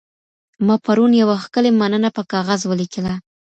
ما پرون یوه ښکلې مننه په کاغذ ولیکله.